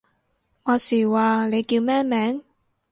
話時話，你叫咩名？